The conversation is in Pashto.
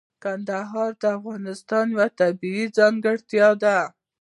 کندهار د افغانستان یوه طبیعي ځانګړتیا ده.